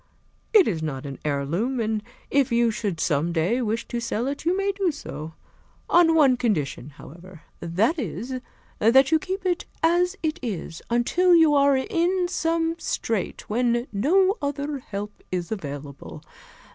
It is not an heirloom, and if you should some day wish to sell it, you may do so. On one condition, however: That is, that you keep it, as it is, until you are in some strait when no other help is available.